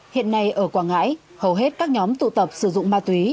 hiện nay ở quảng ngãi hầu hết các nhóm tụ tập sử dụng ma túy